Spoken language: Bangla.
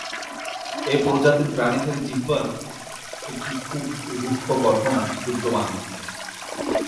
এই প্রজাতির প্রাণীদের জিহ্বার একটি খুব রুক্ষ গঠন বিদ্যমান।